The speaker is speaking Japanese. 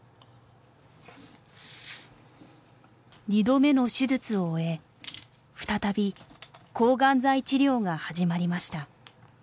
２度目の手術を終え再び抗がん剤治療が始まりました。